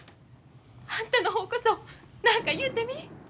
あんたの方こそ何か言うてみ。